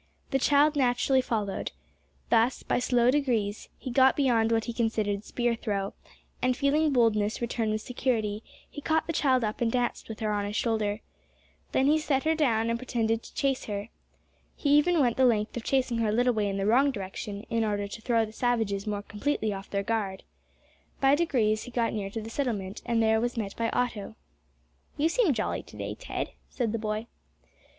The child naturally followed. Thus, by slow degrees, he got beyond what he considered spear throw, and feeling boldness return with security, he caught the child up and danced with her on his shoulder. Then he set her down, and pretended to chase her. He even went the length of chasing her a little way in the wrong direction, in order to throw the savages more completely off their guard. By degrees he got near to the settlement, and there was met by Otto. "You seem jolly to day, Ted," said the boy.